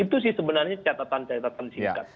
itu sih sebenarnya catatan catatan singkat